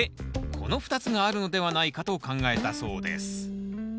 この２つがあるのではないかと考えたそうです。